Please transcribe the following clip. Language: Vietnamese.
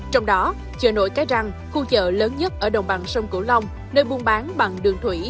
trong đó chợ nổi cái răng khu chợ lớn nhất ở đồng bằng sông cửu long nơi buôn bán bằng đường thủy